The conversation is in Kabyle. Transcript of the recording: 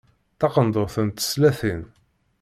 Taqendurt n teslatin.